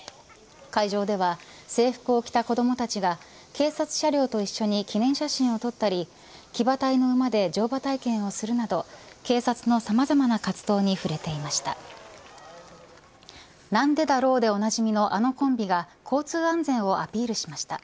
会場では制服を着た子どもたちが警察車両と一緒に記念写真を撮ったり騎馬隊の馬で乗馬体験をするなど警察のさまざまな活動に触れていました。